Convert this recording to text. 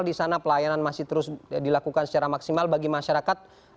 di sana pelayanan masih terus dilakukan secara maksimal bagi masyarakat